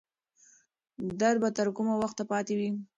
درد به تر کومه وخته پاتې وي؟